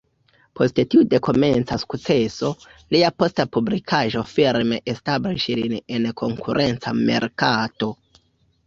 Post tiu dekomenca sukceso, lia posta publikaĵo firme establis lin en la konkurenca merkato.